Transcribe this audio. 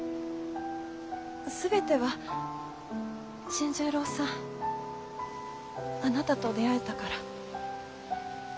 全ては新十郎さんあなたと出会えたから。